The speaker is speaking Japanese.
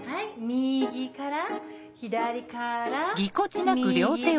右から左から。